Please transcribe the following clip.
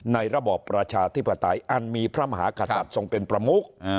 ระบอบประชาธิปไตยอันมีพระมหากษัตริย์ทรงเป็นประมุก